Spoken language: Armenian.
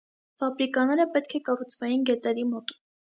Ֆաբրիկաները պետք է կառուցվեին գետերի մոտ։